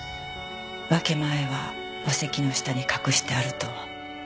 分け前は墓石の下に隠してあると。